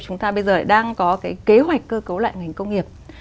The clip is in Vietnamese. chúng ta bây giờ đang có cái kế hoạch cơ cấu lại ngành công nghiệp